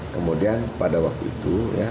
kemudian pada waktu itu